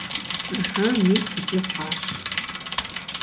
Ыхьы, мис иджы хъуащ!